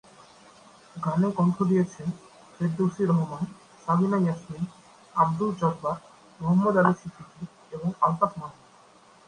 গানে কণ্ঠ দিয়েছেন ফেরদৌসী রহমান, সাবিনা ইয়াসমিন, আব্দুল জব্বার, মোহাম্মদ আলী সিদ্দিকী এবং আলতাফ মাহমুদ।